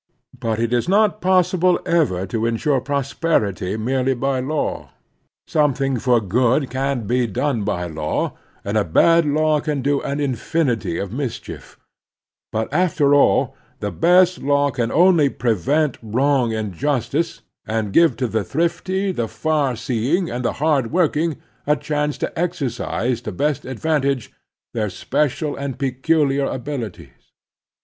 But it is not possible ever to insure prosperity merely by law. Something for good can be done by law, and a bad law can do an infinity of mis chief ; but, after all, the best law can only prevent wrong and injustice, and give to the thrifty, the far seeing, and the hard working a chance to exer cise to best advantage their special and peculiar abilities.